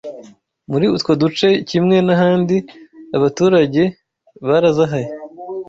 Muri utwo duce kimwe n’ahandi, abaturage barazahaye